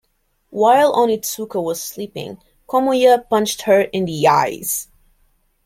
While Onitsuka was sleeping, Komiya punched her in the eyes.